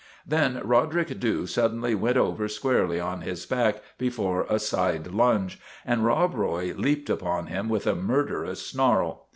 " Then Roderick Dhu suddenly went over squarely on his back before a side lunge, and Rob Roy leaped upon him with a murderous snarl.